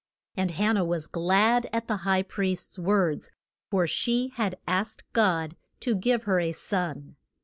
And Han nah was glad at the high priest's words, for she had asked God to give her a son.